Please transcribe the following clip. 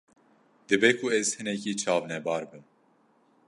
Dibe ku ez hinekî çavnebar bim.